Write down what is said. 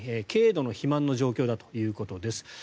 軽度の肥満の状況だということです。